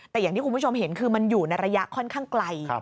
แต่อย่างที่คุณผู้ชมเห็นคือมันอยู่ในระยะค่อนข้างไกล